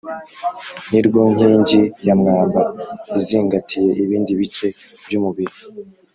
ni rwo nkingi ya mwamba izingatiye ibindi bice by’umubiri